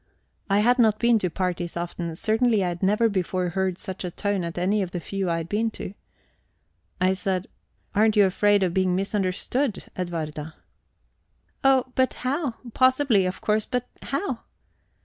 I had not been to parties often; certainly I had never before heard such a tone at any of the few I had been to. I said: "Aren't you afraid of being misunderstood, Edwarda?" "Oh, but how? Possibly, of course, but how?"